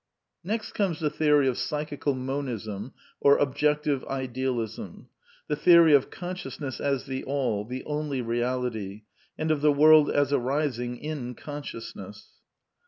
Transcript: Next comes the theory of Psychical Monism or Objective Idealism; the theory of Consciousness as the All, the Only Reality, and of the world as arising in consciousness.